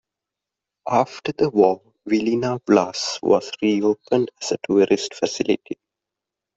After the war, Vilina Vlas was re-opened as a tourist facility.